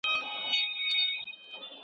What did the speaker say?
قصابي وه د حقونو د نادارو .